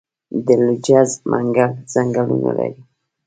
د لجه منګل ځنګلونه لري